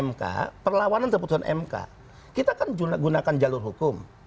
nah perlawanan terputusan mk kita kan gunakan jalur hukum